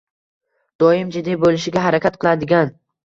Doim jiddiy bo‘lishga harakat qiladigan